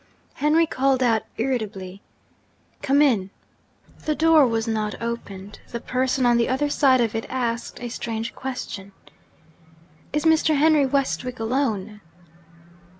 Henry called out irritably, 'Come in.' The door was not opened. The person on the other side of it asked a strange question. 'Is Mr. Henry Westwick alone?'